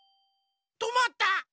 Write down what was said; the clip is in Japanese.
とまった。